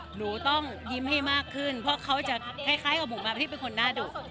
หนูต้องยิ้มให้มากขึ้นเพราะเขาจะคล้ายกับหมูมาพี่เป็นคนหน้าดุ